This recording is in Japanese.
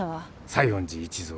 西園寺一蔵。